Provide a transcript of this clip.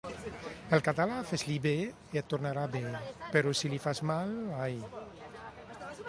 Al català, fes-li bé i et tornarà bé; però, si li fas mal, ai!